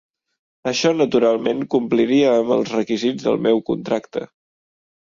Això naturalment compliria amb els requisits del meu contracte.